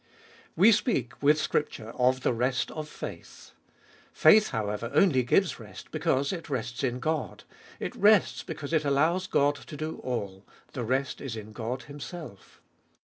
WE speak, with Scripture, of the rest of faith. Faith, however, only gives rest because it rests in God ; it rests because it allows God to do all ; the rest is in God Himself.